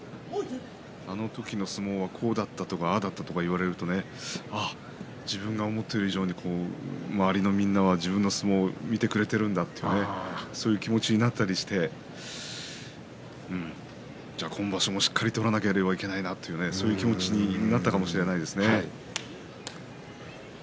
この時の相撲はこうだったああだったと言われると自分が思っている以上に周りのみんなは自分の相撲を見てくれているんだというねそういう気持ちになったりして今場所もしっかり取らなければいけないなという気持ちになったかもしれないですね。